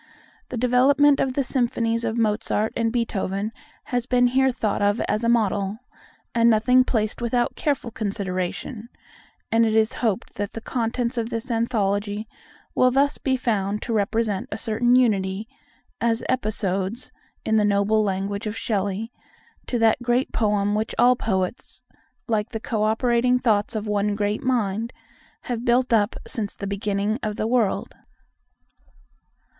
The development of the symphonies of Mozart and Beethoven has been here thought of as a model, and nothing placed without careful consideration; and it is hoped that the contents of this anthology will thus be found to present a certain unity, "as episodes," in the noble language of Shelley, "to that great Poem which all poets, like the co operating thoughts of one great mind, have built up since the beginning of the world."